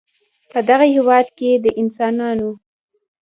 په دغه هېواد کې د انسانانو